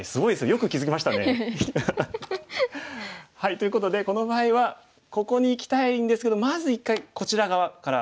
ということでこの場合はここにいきたいんですけどまず一回こちら側からいく。